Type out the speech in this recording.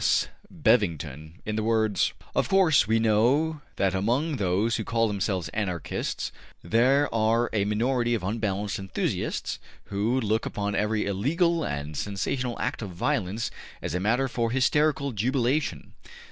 S. Bevington in the words: ``Of course we know that among those who call themselves Anarchists there are a minority of unbalanced enthusiasts who look upon every illegal and sensational act of violence as a matter for hysterical jubilation.